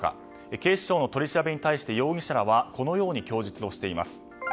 警視庁の取り調べに対して容疑者らはこのように供述しています。